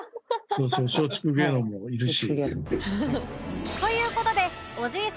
松竹芸能もいるし。